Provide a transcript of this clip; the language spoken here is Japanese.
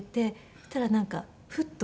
そしたらなんかフッと。